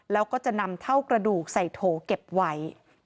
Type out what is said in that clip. แล้วก็จะนำเท่ากระดูกใส่โถเก็บไว้